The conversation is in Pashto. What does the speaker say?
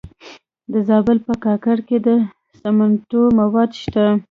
د زابل په کاکړ کې د سمنټو مواد شته.